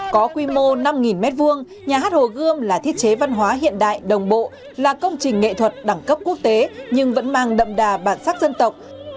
có quy mô năm m hai nhà hát hồ gươm là thiết chế văn hóa hiện đại đồng bộ là công trình nghệ thuật đẳng cấp quốc tế nhưng vẫn mang đậm đà bản sắc dân tộc